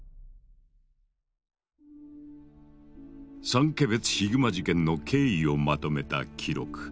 三毛別ヒグマ事件の経緯をまとめた記録。